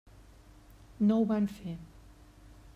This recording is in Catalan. No ho van fer.